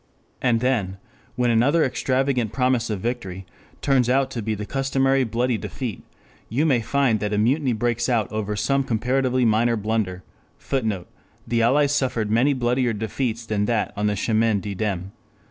And then, when another extravagant promise of victory turns out to be the customary bloody defeat, you may find that a mutiny breaks out over some comparatively minor blunder, [Footnote: The Allies suffered many bloodier defeats than that on the Chemin des Dames.